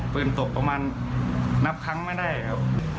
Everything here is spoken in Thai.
ตกประมาณนับครั้งไม่ได้ครับ